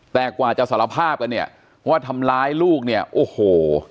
แต่กว่าจะสารภาพกันเนี่ยว่าทำร้ายลูกเนี่ยโอ้โห